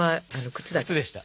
靴でした。